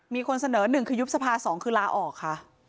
มีคนเสนอ๑คือยุบสภา๒คือลาออกค่ะ